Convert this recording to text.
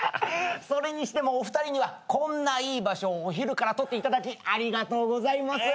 それにしてもお二人にはこんないい場所をお昼から取っていただきありがとうございます。